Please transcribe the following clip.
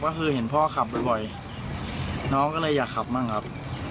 ก็คือเห็นพ่อขับบ่อยน้องก็เลยอยากขับบ้างครับ